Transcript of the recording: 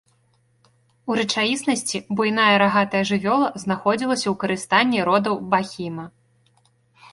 У рэчаіснасці, буйная рагатая жывёла знаходзілася ў карыстанні родаў бахіма.